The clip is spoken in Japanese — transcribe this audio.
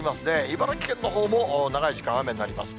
茨城県のほうも長い時間、雨になります。